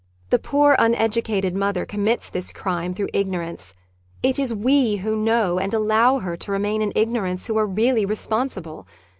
The poor, uneducated mother commits this crime through ignorance : it is we who know and allow her to remain in ignorance who are really responsible.